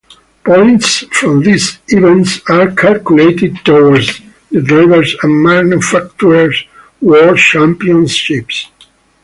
Points from these events are calculated towards the drivers' and manufacturers' world championships.